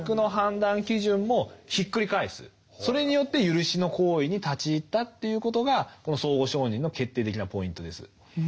それによって赦しの行為に立ち入ったということがこの相互承認の決定的なポイントです。